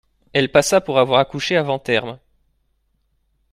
Elle passa pour avoir accouché avant terme.